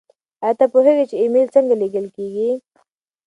ایا ته پوهېږې چې ایمیل څنګه لیږل کیږي؟